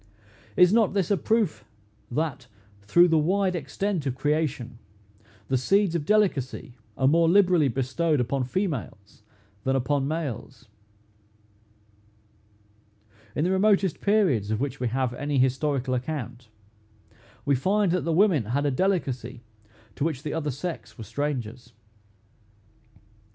Is not this a proof, that, through the wide extent of creation, the seeds of delicacy are more liberally bestowed upon females than upon males? In the remotest periods of which we have any historical account, we find that the women had a delicacy to which the other sex were strangers.